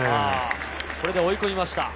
これで追い込みました。